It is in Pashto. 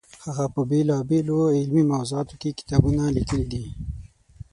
هغه په بېلابېلو علمي موضوعاتو کې کتابونه لیکلي دي.